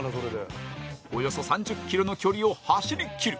およそ３０ｋｍの距離を走り切る。